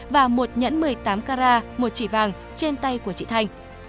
và một nhẫn một mươi tám cara một chỉ vàng trên tay của chị thanh